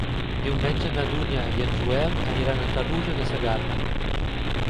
Diumenge na Dúnia i en Joel aniran a Tarroja de Segarra.